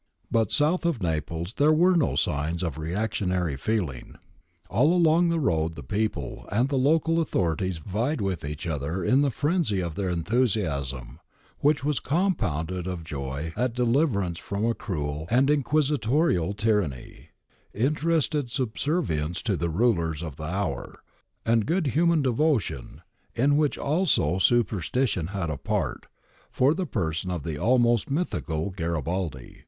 But south of Naples there were no signs of reactionary feeling. All along the road the people and the local authorities vied with each other in the frenzy of their enthusiasm, which was compounded of joy at deliverance from a cruel and inquisitorial tyranny ; interested subservience to the rulers of the hour ; and good human devotion, in which also supersti tion had a part, for the person of the almost mythical Garibaldi.